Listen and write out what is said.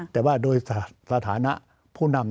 แต่ว่าโดยสถานะผู้นำ